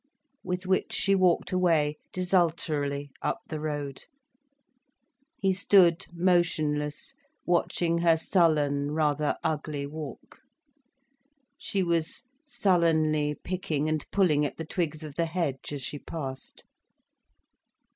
With which she walked away, desultorily, up the road. He stood motionless, watching her sullen, rather ugly walk. She was sullenly picking and pulling at the twigs of the hedge as she passed.